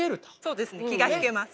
そうですね気が引けます。